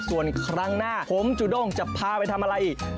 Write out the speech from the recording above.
ส่วนครั้งหน้าผมจุด้งจะพาไปทำอะไรอีก